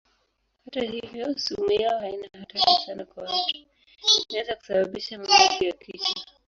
Hata hivyo sumu yao haina hatari sana kwa watu; inaweza kusababisha maumivu ya kichwa.